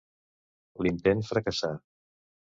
L'intent fracassà.